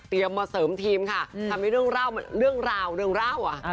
เตรียมมาเสริมทีมค่ะทำให้เรื่องราวเรื่องราวเรื่องราวอ่ะ